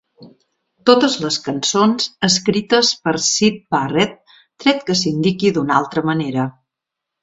Totes les cançons escrites per Syd Barrett, tret que s'indiqui d'altra manera.